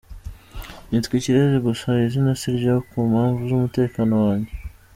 Nitwa ikirezi gusa izina siryo kumpamvu z’umutekano wange.